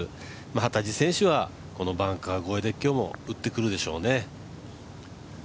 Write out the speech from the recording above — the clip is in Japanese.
幡地選手はこのバンカー越えで今日も打ってくるでしょうね。